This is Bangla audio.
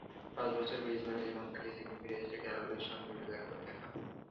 পাঁচ বছর ব্রিজবেনে জীবন কাটিয়ে সিডনি ফিরে এসে ক্যারলের সঙ্গে শুধু একবার দেখা।